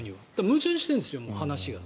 矛盾してるんですよ、話が。